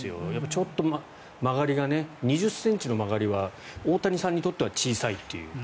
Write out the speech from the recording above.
ちょっと曲がりが２０ｃｍの曲がりは大谷さんにとっては小さいという。